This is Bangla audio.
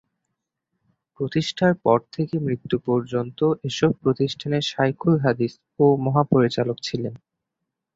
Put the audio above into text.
প্রতিষ্ঠার পর থেকে মৃত্যু পর্যন্ত এসব প্রতিষ্ঠানের শায়খুল হাদিস ও মহাপরিচালক ছিলেন।